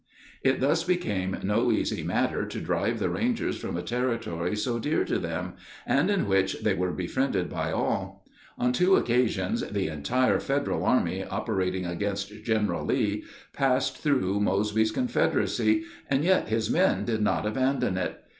It thus became no easy matter to drive the Rangers from a territory so dear to them, and in which they were befriended by all. On two occasions the entire Federal army operating against General Lee passed through Mosby's Confederacy, and yet his men did not abandon it.